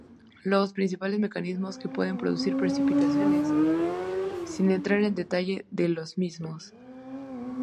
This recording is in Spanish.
Los principales mecanismos que pueden producir precipitaciones, sin entrar en detalle de los mismos.